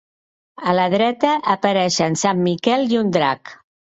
A la dreta apareixen sant Miquel i un drac.